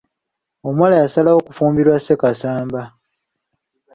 Omuwala yasalawo kufumbirwa Ssekasamba.